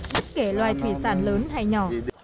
bất kể loài thủy sản lớn hay nhỏ